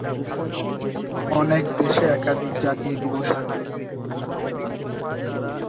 অনেক দেশে একাধিক জাতীয় দিবস আছে।